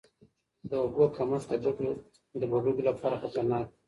د اوبو کمښت د بډوګو لپاره خطرناک دی.